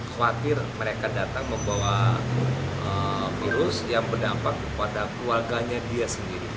khawatir mereka datang membawa virus yang berdampak kepada keluarganya dia sendiri